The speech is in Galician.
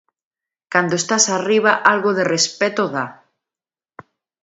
Cando estás arriba algo de respecto dá.